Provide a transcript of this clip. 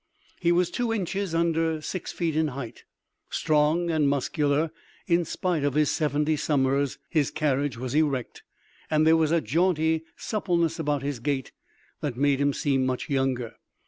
He was two inches under six feet in height, strong and muscular. In spite of his seventy summers his carriage was erect, and there was a jaunty suppleness about his gait that made him seem much younger.